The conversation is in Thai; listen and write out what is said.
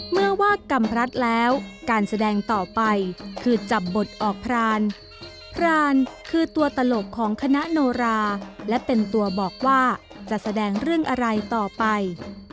เมื่อว่ากำพลัดแล้วการแสดงต่อไปคือจับบทออกพรานพรานคือตัวตลกของคณะโนราและเป็นตัวบอกว่าจะแสดงเรื่องอะไรต่อไป